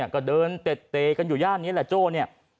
ก็เดินเต็ดเตกันอยู่ย่านนี้แหละโจ้เนี่ย